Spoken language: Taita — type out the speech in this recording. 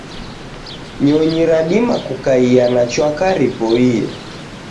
Nyonyi radima kukaia na chwaka ripoie.